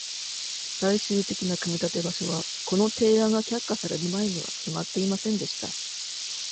最終的な組み立て場所は、この提案が却下される前には決まっていませんでした。